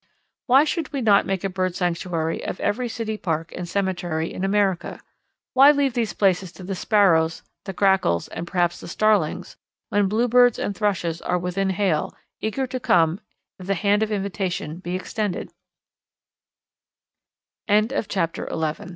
Why should we not make a bird sanctuary of every city park and cemetery in America? Why leave these places to the Sparrows, the Grackles, and perhaps the Starlings, when Bluebirds and Thrushes are within hail, eager to come if the hand